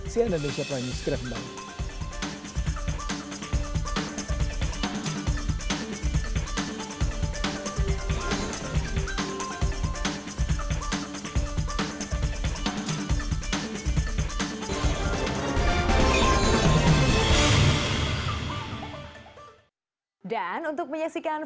saya indonesia prime news graeme bang